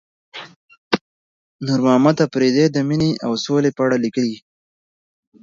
نورمحمد اپريدي د مينې او سولې په اړه ليکلي.